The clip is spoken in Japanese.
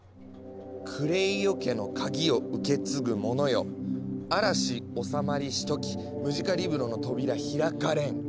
「クレイオ家の鍵を受け継ぐ者よ嵐収まりし時ムジカリブロの扉開かれん」。